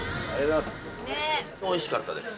おいしかったです。